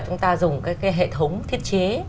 chúng ta dùng cái hệ thống thiết chế